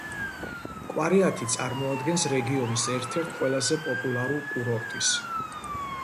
კვარიათი წარმოადგენს რეგიონის ერთ-ერთ ყველაზე პოპულარულ კურორტის.